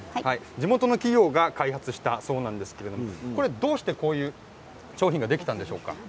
地元の企業が開発したそうなんですけれどどうしてこのような商品ができたんでしょうか。